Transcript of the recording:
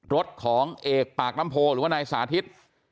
รถของเอกปากน้ำโพหรือว่านายสาธิต